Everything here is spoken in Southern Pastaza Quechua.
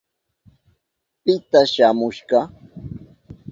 ¿Pita shamushka?